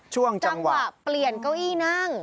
ช่วงจังหวะจังหวะเปลี่ยนเก้าอี้นั่ง